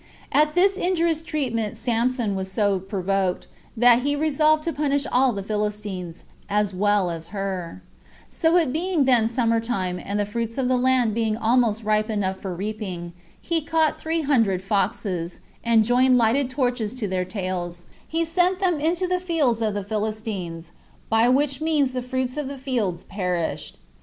7. At this injurious treatment Samson was so provoked, that he resolved to punish all the Philistines, as well as her: so it being then summer time, and the fruits of the land being almost ripe enough for reaping, he caught three hundred foxes, and joining lighted torches to their tails, he sent them into the fields of the Philistines, by which means the fruits of the fields perished.